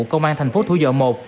công an thành phố thủ dầu một